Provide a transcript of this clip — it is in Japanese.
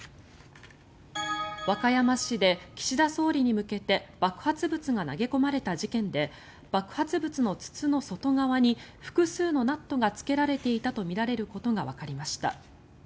和歌山市で岸田総理に向けて爆発物が投げ込まれた事件で爆発物の筒の外側に複数のナットがつけられていたとみられることがわかりました。